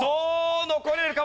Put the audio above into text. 残れるか？